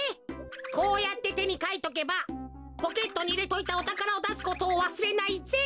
こうやっててにかいとけばポケットにいれといたおたからをだすことをわすれないぜ！